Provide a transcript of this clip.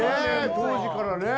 当時からね。